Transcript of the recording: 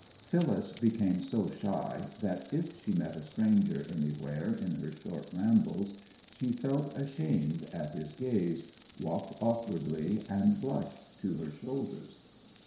Phyllis became so shy that if she met a stranger anywhere in her short rambles she felt ashamed at his gaze, walked awkwardly, and blushed to her shoulders.